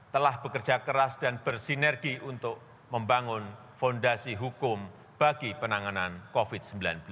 telah bekerja keras dan bersinergi untuk membangun fondasi hukum bagi penanganan covid sembilan belas